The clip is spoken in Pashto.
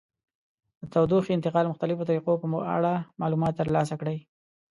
د تودوخې انتقال مختلفو طریقو په اړه معلومات ترلاسه کړئ.